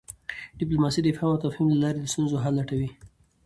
ډیپلوماسي د افهام او تفهیم له لاري د ستونزو حل لټوي.